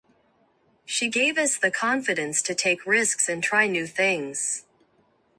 She gave us the confidence to take risks and try new things.